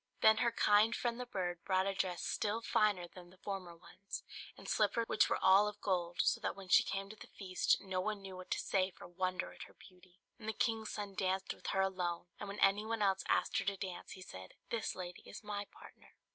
Then her kind friend the bird brought a dress still finer than the former ones, and slippers which were all of gold; so that when she came to the feast no one knew what to say for wonder at her beauty; and the king's son danced with her alone; and when any one else asked her to dance he said, "This lady is my partner."